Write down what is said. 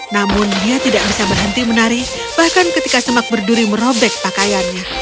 namun dia tidak bisa berhenti menari bahkan ketika semak berduri merobek pakaiannya